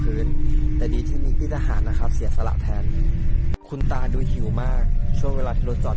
คุณตามีลูกทั้งหมด๕คนมาอยู่กรุงเทพหมด